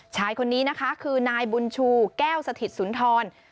ชายคนนี้นะคะคือนายบุญชูแก้วสถิตสุนทร